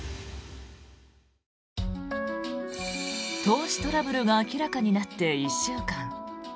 投資トラブルが明らかになって１週間。